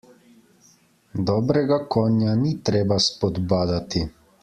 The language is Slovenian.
Dobrega konja ni treba spodbadati.